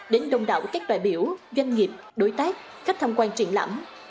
đến đông đảo các đoại biểu doanh nghiệp đối tác khách tham quan triển lãm